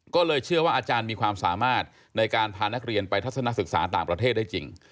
ก็เลยเชื่อว่าอาจารย์มีความสามารถในการพานักเรียนไปทัศนศึกษาต่างประเทศได้จริง